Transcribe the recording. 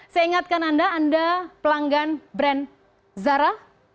saya ingatkan anda anda pelanggan brand zara